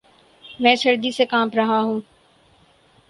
میں سردی سے کانپ رہا ہوں